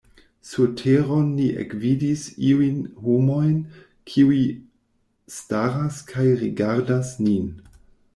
Surteron ni ekvidis iujn homojn, kiuj staras kaj rigardas nin.